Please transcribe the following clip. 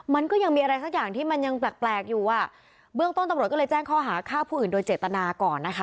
มันก็ยังมีอะไรสักอย่างที่มันยังแปลกแปลกอยู่อ่ะเบื้องต้นตำรวจก็เลยแจ้งข้อหาฆ่าผู้อื่นโดยเจตนาก่อนนะคะ